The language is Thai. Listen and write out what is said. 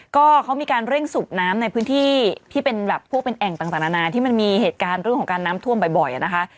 ก็เขามีการเร่งสูบน้ำในพื้นที่ที่เป็นแบบพวกเป็นแอ่งต่างนานาที่มันมีเหตุการณ์เรื่องของการน้ำท่วมบ่อยนะคะ